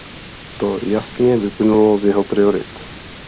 To jasně vyplynulo z jeho priorit.